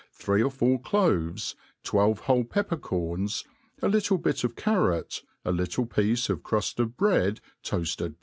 threci or four cloves, twelve whole pepper corns, a I;ttle bit Qt\ c^r lot) a little piece of cruft of bread toafted